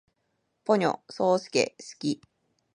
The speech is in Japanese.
ポニョ，そーすけ，好き